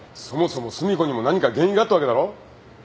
そもそも寿美子にも何か原因があったわけだろ。